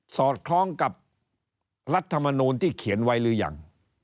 สอดคล้องกับรัฐมนูลที่เขียนไว้หรือยัง